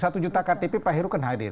satu juta ktp pak heru kan hadir